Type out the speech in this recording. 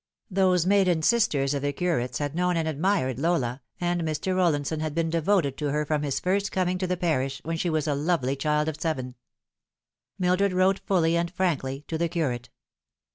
Those maiden sisters of the curate's had known and admired As the Sands Run Down. 807 Lola, and Mr. Rollinson had been devoted to her from his first coining to the parish, when she was a lovely child of seven. Mildred wrote fully and frankly to the curate.